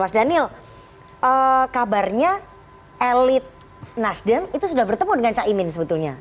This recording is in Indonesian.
mas daniel kabarnya elit nasdem itu sudah bertemu dengan caimin sebetulnya